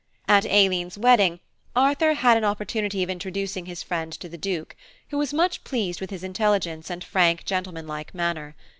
At Aileen's wedding Arthur had an opportunity of introducing his friend to the Duke, who was much pleased with his intelligence and frank gentlemanlike manner.